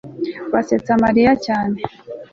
basetse mariya cyane